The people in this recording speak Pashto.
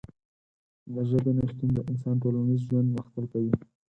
د ژبې نشتون د انسان ټولنیز ژوند مختل کوي.